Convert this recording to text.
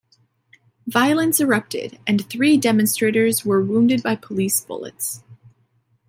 Violence erupted, and three demonstrators were wounded by police bullets.